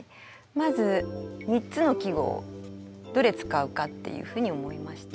まず３つの季語どれ使うかっていうふうに思いました。